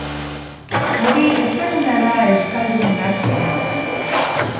Hori ezaguna da euskaldunen artean.